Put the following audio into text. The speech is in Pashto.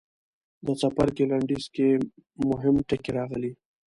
د څپرکي لنډیز کې مهم ټکي راغلي.